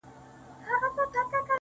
لا به چي تا پسې بهيږي اوښکي څه وکړمه,